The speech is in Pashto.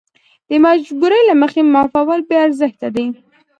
د مجبورۍ له مخې معافول بې ارزښته دي.